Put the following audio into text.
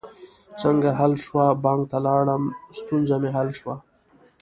څنګه حل شوه؟ بانک ته لاړم، ستونزه می حل شوه